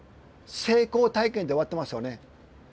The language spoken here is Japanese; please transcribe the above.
成功体験で終わってますよね。